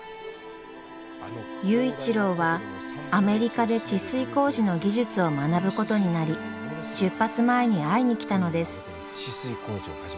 佑一郎はアメリカで治水工事の技術を学ぶことになり出発前に会いに来たのです。